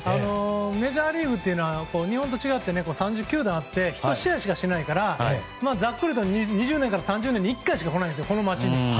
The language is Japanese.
メジャーリーグは日本と違って３０球団あって１試合しかしないからざっくりと２０年から３０年に１回しか来ないんです、この街に。